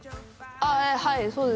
ええはいそうです